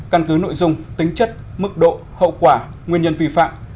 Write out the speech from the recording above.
căn cứ nội dung tính chất mức độ hậu quả nguyên nhân vi phạm